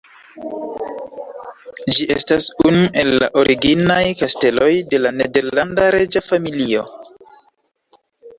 Ĝi estas unu el la originaj kasteloj de la nederlanda reĝa familio.